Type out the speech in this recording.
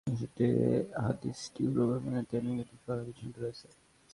এ সূত্রে হাদীসটি গরীব এবং এতে ইনকিতা তথা বিচ্ছিন্নতা রয়েছে।